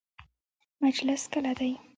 مجلس کله دی؟